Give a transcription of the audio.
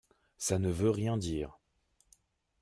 Ça ne veut rien dire.